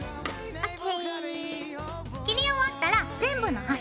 ＯＫ。